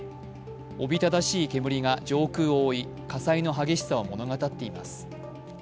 おびただしい煙が上空を覆い火災の激しさを物語っています。